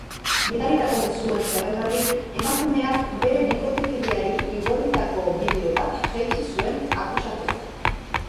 Bidalitako mezuen zerrendatik, emakumeak bere bikotekideari igorritako bideo bat jaitsi zuen akusatuak.